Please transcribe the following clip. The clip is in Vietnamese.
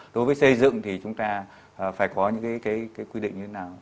đối với xây dựng thì chúng ta phải có những cái quy định như thế nào